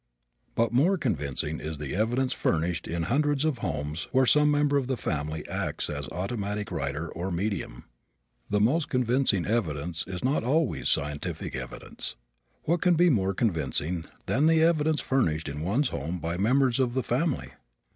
But more convincing is the evidence furnished in hundreds of homes where some member of the family acts as automatic writer or medium. The most convincing evidence is not always scientific evidence. What can be more convincing than the evidence furnished in one's home by members of the family?